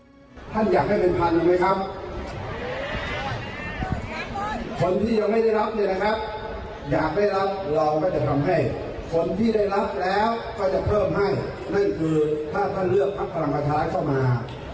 ส่วนที่ได้รับแล้วก็จะเพิ่มให้นั่นคือถ้าต้องเลือกพักประหลังกันท้ายเข้ามา